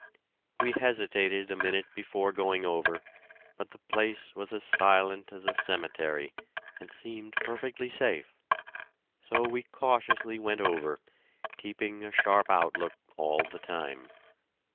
We hesitated a minute before going over, but the place was as silent as a cemetery, and seemed perfectly safe. So we cautiously went over, keeping a sharp outlook all the time.